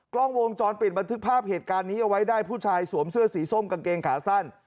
กล้องวงจรปิดบันทึกภาพเหตุการณ์นี้เอาไว้ได้ผู้ชายสวมเสื้อสีส้มกางเกงขาสั้น